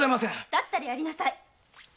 だったらやりなさい